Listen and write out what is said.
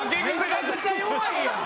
めちゃくちゃ弱いやん。